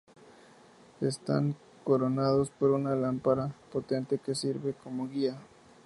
Están coronados por una lámpara potente que sirve como guía.